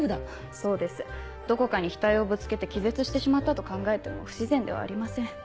そうですどこかに額をぶつけて気絶してしまったと考えても不自然ではありません。